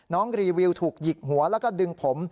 รีวิวถูกหยิกหัวแล้วก็ดึงผม